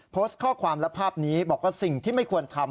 โพสต์ข้อความและภาพนี้บอกว่าสิ่งที่ไม่ควรทำ